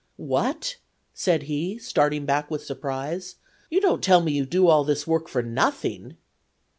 "What!" said he, starting back with surprise; "you don't tell me you do all this work for nothing?"